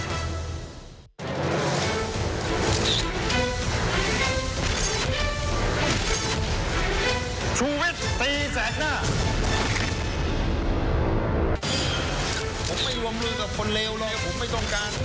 กับคนเลวแล้วผมไม่ต้องการ